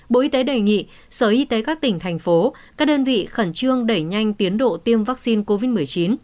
bộ y tế đề nghị sở y tế các tỉnh thành phố các đơn vị khẩn trương đẩy nhanh tiến độ tiêm vaccine covid một mươi chín